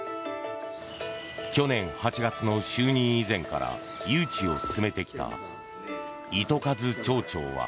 去年８月の就任以前から誘致を進めてきた糸数町長は。